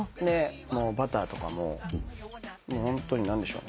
バターとかもホントに何でしょう。